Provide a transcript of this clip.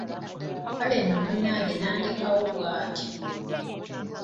Kale nno munnange n'andekawo bw’atyo.